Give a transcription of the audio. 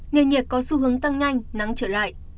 nền nhiệt có xu hướng tăng nhanh nắng trở lại